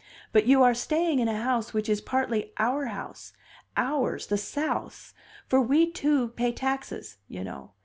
But you are staying in a house which is partly our house, ours, the South's, for we, too, pay taxes, you know.